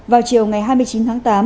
vào chiều ngày hai mươi chín tháng tám